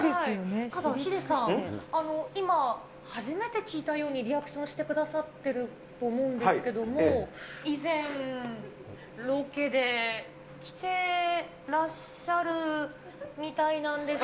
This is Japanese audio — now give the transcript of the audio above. ただ、ヒデさん、今、初めて聞いたようにリアクションしてくださってると思うんですけど、以前、ロケで来てらっしゃるみたいなんです。